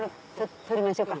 採りましょうか。